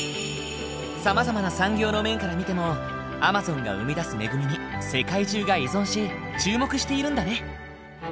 さまざまな産業の面から見てもアマゾンが生み出す恵みに世界中が依存し注目しているんだね。